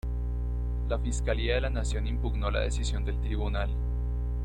La Fiscalía de la Nación impugnó la decisión del tribunal.